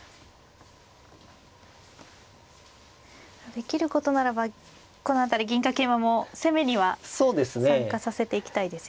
できることならばこの辺り銀か桂馬も攻めには参加させていきたいですよね。